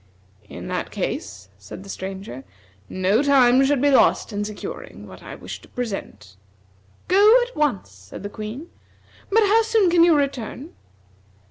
"In that case," said the Stranger, "no time should be lost in securing what I wish to present." "Go at once," said the Queen. "But how soon can you return?"